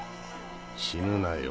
死ぬなよ。